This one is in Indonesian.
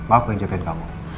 aku yang jagain kamu